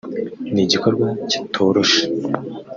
ni igikorwa kitoroshe